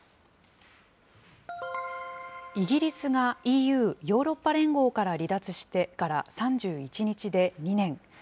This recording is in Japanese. イギリスがＥＵ・ヨーロッパ連合から離脱してから３１日で２年。